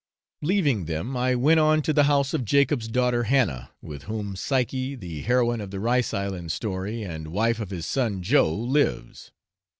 Leaving them, I went on to the house of Jacob's daughter Hannah, with whom Psyche, the heroine of the Rice Island story, and wife of his son Joe, lives.